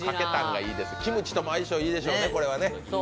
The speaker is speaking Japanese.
キムチとも相性いいでしょうね、これね。